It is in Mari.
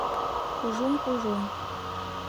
Кужум-кужум...